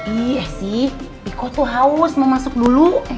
iya sih iko tuh haus mau masuk dulu